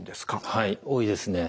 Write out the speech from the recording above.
はい多いですね。